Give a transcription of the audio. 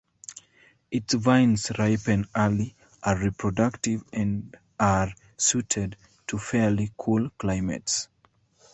Its vines ripen early, are productive and are suited to fairly cool climates.